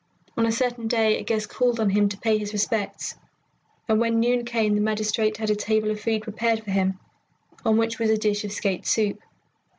On a certain day a guest called on him to pay his respects, and when noon came the magistrate had a table of food prepared for him, on which was a dish of skate soup.